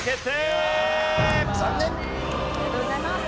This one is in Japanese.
ありがとうございます。